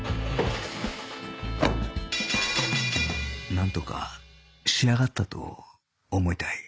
なんとか仕上がったと思いたい